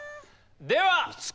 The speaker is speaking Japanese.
では。